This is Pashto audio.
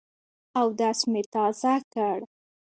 اودس مي تازه کړ .